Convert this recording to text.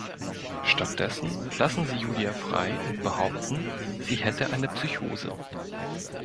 Stattdessen lassen sie Julia frei und behaupten, sie hätte eine Psychose.